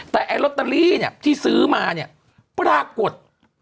แต่อัตรีที่ซื้อมาเนี่ยปรากฏ